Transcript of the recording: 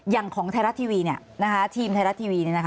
อย่างของไทยรัฐทีวีทีมไทยรัฐทีวี